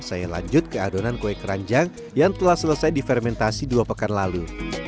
saya lanjut ke adonan kue keranjang yang telah selesai difermentasi dua pekan lalu